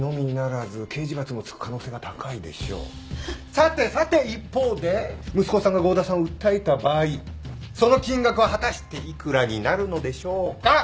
さてさて一方で息子さんが合田さんを訴えた場合その金額は果たして幾らになるのでしょうか？